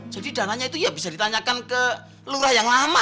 jadi dananya itu ya bisa ditanyakan ke lurah yang lama